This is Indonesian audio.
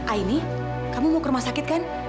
aini kamu mau ke rumah sakit kan